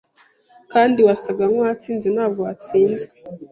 Kandi wasaga nkuwatsinze ntabwo uwatsinzwe